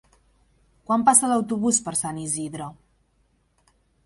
Quan passa l'autobús per Sant Isidre?